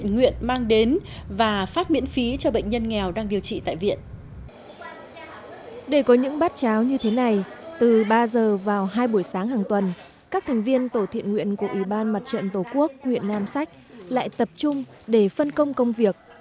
từ ba giờ vào hai buổi sáng hàng tuần các thành viên tổ thiện nguyện của ủy ban mặt trận tổ quốc nguyện nam sách lại tập trung để phân công công việc